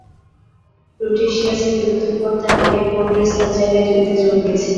প্রোটেশিয়াসের মৃত্যুর পর, তার ভাই পোডরেস তার জায়গায় যুদ্ধে যোগ দিয়েছিলেন।